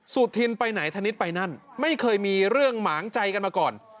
สุธินไปไหนธนิษฐ์ไปนั่นไม่เคยมีเรื่องหมางใจกันมาก่อน